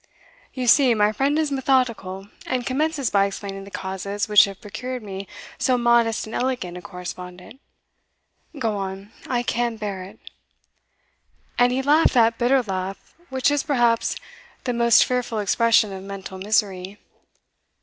"You see my friend is methodical, and commences by explaining the causes which have procured me so modest and elegant a correspondent. Go on I can bear it." And he laughed that bitter laugh which is perhaps the most fearful expression of mental misery.